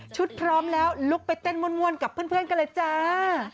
พร้อมแล้วลุกไปเต้นม่วนกับเพื่อนกันเลยจ้า